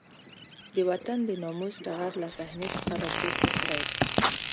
د وطن د ناموس ټغر له صحنې څخه راپورته کړی دی.